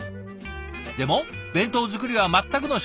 でも弁当作りは全くの初心者。